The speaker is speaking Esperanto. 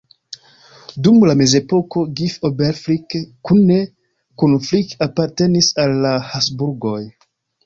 Dum mezepoko Gipf-Oberfrick kune kun Frick apartenis al la Habsburgoj.